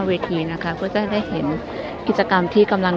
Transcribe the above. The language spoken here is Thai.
มันเป็นสิ่งที่จะให้ทุกคนรู้สึกว่ามันเป็นสิ่งที่จะให้ทุกคนรู้สึกว่า